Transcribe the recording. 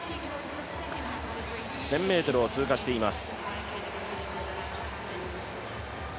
１０００ｍを通過しています。